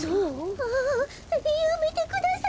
ああやめてください。